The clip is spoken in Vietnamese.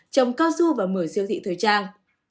chồng cao du vào mở siêu thị thời trang